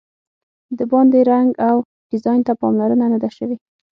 د باندې رنګ او ډیزاین ته پاملرنه نه ده شوې.